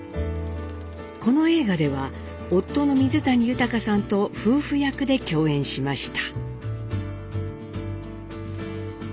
この映画では夫の水谷豊さんと夫婦役で共演しました。